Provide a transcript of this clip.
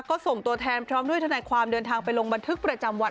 ก็ส่งตัวแทนพร้อมด้วยทนายความเดินทางไปลงบันทึกประจำวัน